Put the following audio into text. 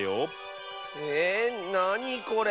えなにこれ？